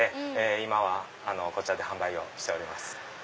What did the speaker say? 今はこちらで販売をしております。